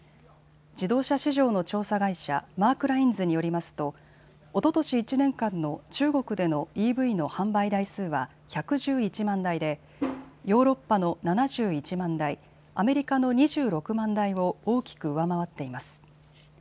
自動車市場の調査会社、マークラインズによりますとおととし１年間の中国でのＥＶの販売台数は１１１万台でヨーロッパの７１万台、アメリカの２６万台を大きく上回っています。